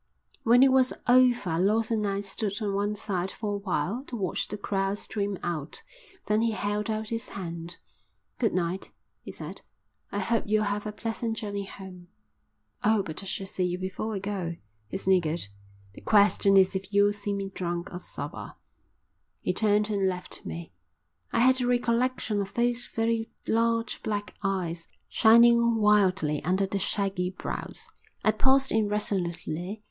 When it was over Lawson and I stood on one side for a while to watch the crowd stream out, then he held out his hand. "Good night," he said. "I hope you'll have a pleasant journey home." "Oh, but I shall see you before I go." He sniggered. "The question is if you'll see me drunk or sober." He turned and left me. I had a recollection of those very large black eyes, shining wildly under the shaggy brows. I paused irresolutely.